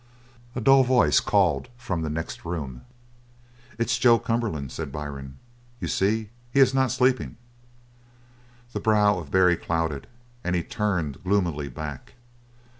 A dull voice called from the next room. "It's Joe Cumberland," said Byrne. "You see, he is not sleeping!" The brow of Barry clouded, and he turned gloomily back.